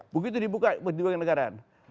begitu dibuka dua negara